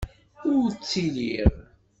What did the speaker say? Ur ttiliɣ.